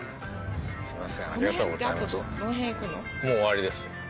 もう終わりです。